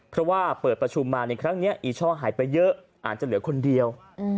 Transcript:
เพราะว่าเปิดประชุมมาในครั้งนี้อีช่อหายไปเยอะอาจจะเหลือคนเดียว